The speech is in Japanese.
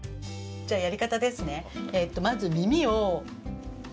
じゃあ、やり方ですね。